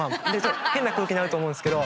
変な空気になると思うんですけど。